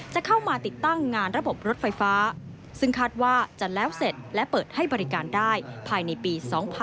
จะเข้ามาติดตั้งงานระบบรถไฟฟ้าซึ่งคาดว่าจะแล้วเสร็จและเปิดให้บริการได้ภายในปี๒๕๖๒